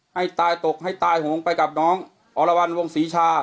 ให้ตายตกให้ตายโหงไปกับน้องอรวรรณวงศรีชา